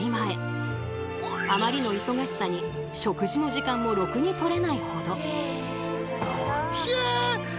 あまりの忙しさに食事の時間もろくに取れないほど。